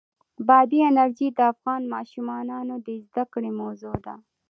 بادي انرژي د افغان ماشومانو د زده کړې موضوع ده.